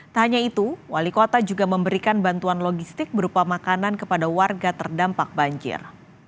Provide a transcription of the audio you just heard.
tak hanya itu wali kota juga memberikan bantuan logistik berupa makanan kepada warga terdampak banjir